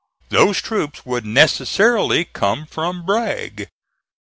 Those troops would necessarily come from Bragg.